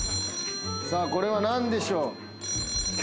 さあこれは何でしょう？